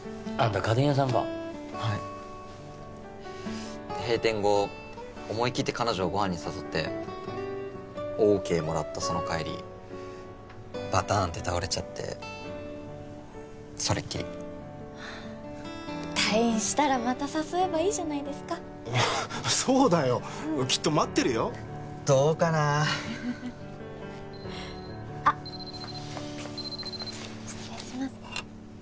家電屋さんかはい閉店後思い切って彼女をご飯に誘ってオーケーもらったその帰りバターンって倒れちゃってそれっきり退院したらまた誘えばいいじゃないですかそうだよきっと待ってるよどうかな失礼します